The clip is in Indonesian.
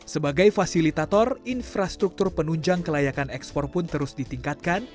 sebagai fasilitator infrastruktur penunjang kelayakan ekspor pun terus ditingkatkan